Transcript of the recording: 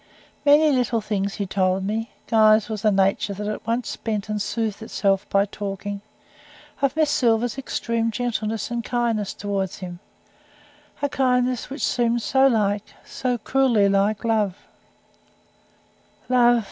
Many little things he told me Guy's was a nature that at once spent and soothed itself by talking of Miss Silver's extreme gentleness and kindness towards him; a kindness which seemed so like, so cruelly like love.